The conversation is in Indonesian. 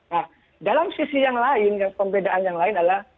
nah dalam sisi yang lain pembedaan yang lain adalah